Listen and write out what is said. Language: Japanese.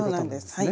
はい。